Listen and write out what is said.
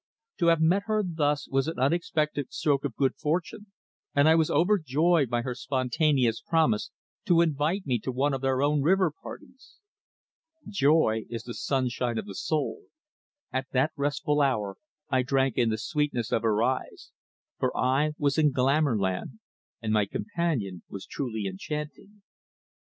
To have met her thus was an unexpected stroke of good fortune, and I was overjoyed by her spontaneous promise to invite me to one of their own river parties. Joy is the sunshine of the soul. At that restful hour I drank in the sweetness of her eyes, for I was in glamour land, and my companion was truly enchanting.